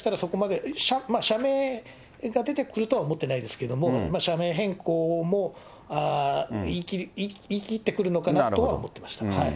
もしかしたらそこまで、社名が出てくるとは思ってないですけど、社名変更も言い切ってくるのかなとは思ってました。